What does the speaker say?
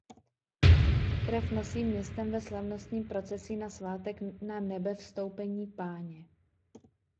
Krev nosí městem ve slavnostním procesí na svátek Nanebevstoupení Páně.